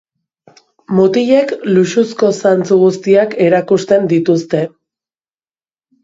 Mutilek luxuzko zantzu guztiak erakusten dituzte.